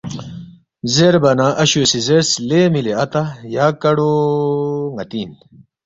زیربا نہ اشو سی زیرس، ”لے مِلی اتا یا کاڑو ن٘تی اِن